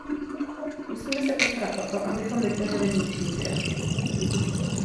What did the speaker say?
Musíme se postarat o to, abychom vytvořili vnitřní trh.